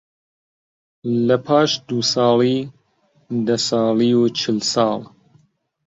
لەپاش دوو ساڵی، دە ساڵی و چل ساڵ